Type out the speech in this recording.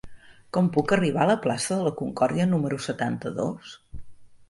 Com puc arribar a la plaça de la Concòrdia número setanta-dos?